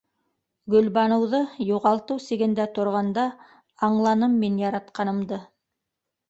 Гөлбаныуҙы юғалтыу сигендә торғанда аңланым мин яратҡанымды.